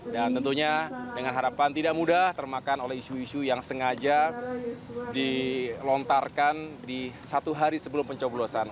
dan tentunya dengan harapan tidak mudah termakan oleh isu isu yang sengaja dilontarkan di satu hari sebelum pencoblosan